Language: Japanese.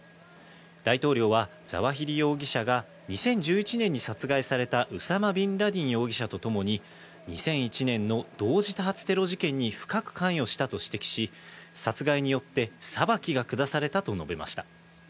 大統領はザワヒリ容疑者が２０１１年に殺害されたウサマ・ビンラディン容疑者とともに２００１年の同時多発テロ事件に深く関与したと指摘し、殺害によって裁きが下されたと述べました。